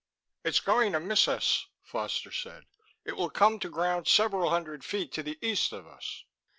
"It's going to miss us," Foster said. "It will come to ground several hundred feet to the east of us."